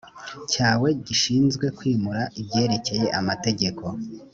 cyawe gishinzwe kwimura ibyerekeye amategeko